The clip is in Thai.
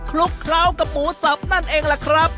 ลุกเคล้ากับหมูสับนั่นเองล่ะครับ